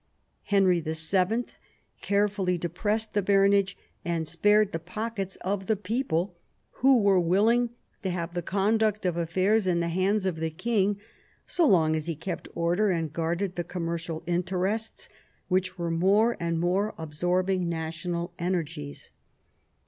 Henry VII. carefully depressed the baronage and spared the pockets of the people, who were willing to have the conduct of affairs in the hands of the king so long as he kept order and guarded the commercial interests, which were more and more absorbing national energies.